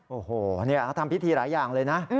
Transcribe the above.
โอ้โหเขาทำพิธีหลายอย่างเลยนะ